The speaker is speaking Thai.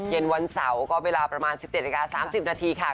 เย็นวันเสาร์ก็เวลาประมาณ๑๗นาที๓๐นาทีค่ะ